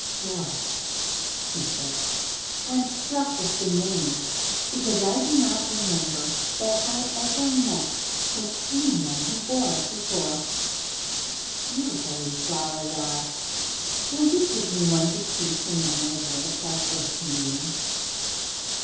"Doris!" he said; "I am struck with the name, because I do not remember that I ever met with any one who bore it before. How beautiful these flowers are! Will you give me one to keep in memory of this, our first meeting?"